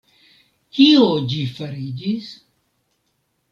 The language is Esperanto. Kio ĝi fariĝis?